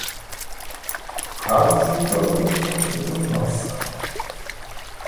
Pokalsieger wurde Torpedo Moskau.